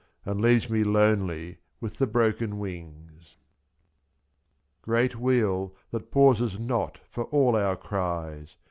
— And leaves me lonely with the broken wings. Great wheel that pauses not for all our cries.